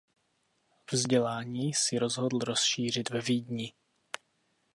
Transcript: Vzdělání si rozhodl rozšířit ve Vídni.